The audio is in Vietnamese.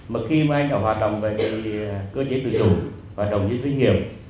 mà khi mà anh có hoạt động về cơ chế tự chủ hoạt động dịch vụ doanh nghiệp